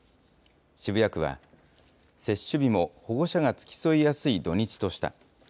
渋谷区は、接種日も保護者が付き添いやすい土日とした。